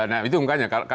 nah itu umpanya